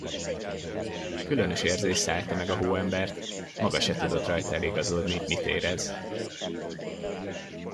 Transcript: Különös érzés szállta meg a hóembert, maga se tudott rajta eligazodni, mit érez.